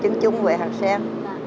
trứng trúng với hạt sen